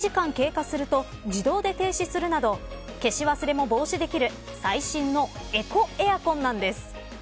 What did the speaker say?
また、部屋に誰もいないまま１時間経過すると自動で停止するなど消し忘れも防止できる最新のエコエアコンなんです。